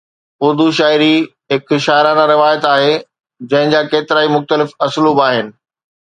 اردو شاعري هڪ شاعرانه روايت آهي جنهن جا ڪيترائي مختلف اسلوب آهن.